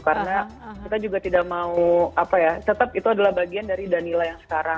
karena kita juga tidak mau apa ya tetap itu adalah bagian dari danila yang sekarang